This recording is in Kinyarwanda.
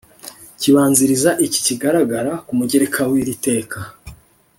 Kibanziriza iki igaragara ku mugereka wiri teka